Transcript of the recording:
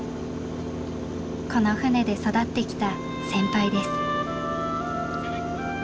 この船で育ってきた先輩です。